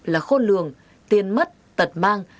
là khôn lường tiền mất tật mang